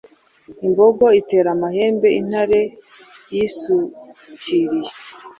imbogo itera amahembe intare iyisukiriye